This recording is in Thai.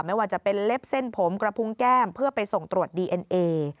ไม่ว่าจะเป็นเล็บเส้นผมกระพุงแก้มเพื่อไปส่งตรวจดีเอ็นเอ